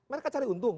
mereka cari untung